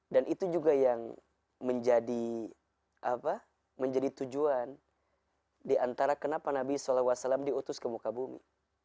dan itu juga yang menjadi apa menjadi tujuan diantara kenapa nabi saw diutus ke muka bumi